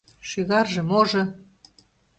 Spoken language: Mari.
Шӱгарже-можо...